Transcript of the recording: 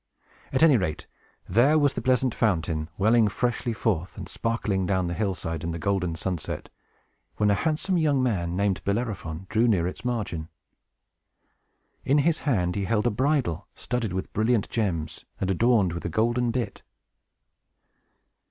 At any rate, there was the pleasant fountain, welling freshly forth and sparkling adown the hill side, in the golden sunset, when a handsome young man named Bellerophon drew near its margin. In his hand he held a bridle, studded with brilliant gems, and adorned with a golden bit.